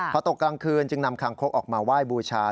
พอตกกลางคืนจึงนำคางคกออกมาไหว้บูชา